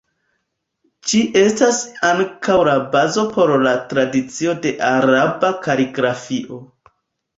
Ĝi estas ankaŭ la bazo por la tradicio de Araba kaligrafio.